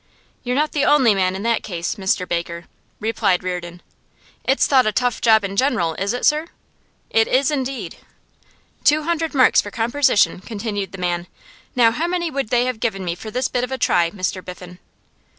'You're not the only man in that case, Mr Baker,' replied Reardon. 'It's thought a tough job in general, is it, sir?' 'It is indeed.' 'Two hundred marks for compersition,' continued the man. 'Now how many would they have given me for this bit of a try, Mr Biffen?